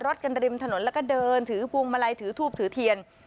รถกันริมถนนแล้วก็เดินถือพวงมาลัยถือทูบถือเทียน